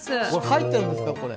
これ、入ってるんですか？